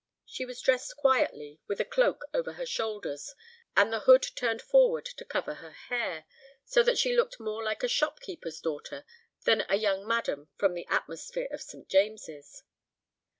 She was dressed quietly, with a cloak over her shoulders, and the hood turned forward to cover her hair, so that she looked more like a shopkeeper's daughter than a young madam from the atmosphere of St. James's.